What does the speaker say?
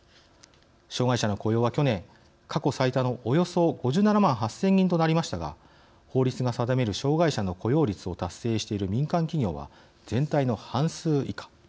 障害者の雇用は去年過去最多のおよそ５７万８０００人となりましたが法律が定める障害者の雇用率を達成している民間企業は全体の半数以下。